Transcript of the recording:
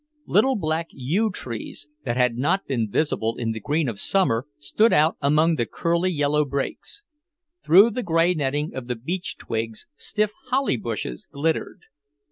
Little black yew trees, that had not been visible in the green of summer, stood out among the curly yellow brakes. Through the grey netting of the beech twigs, stiff holly bushes glittered.